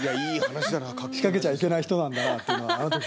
仕掛けちゃいけない人なんだなというのはあのとき。